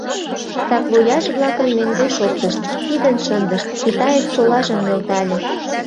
Саквояж-влакым мӧҥгеш оптышт, пидын шындышт, китаец солажым нӧлтале.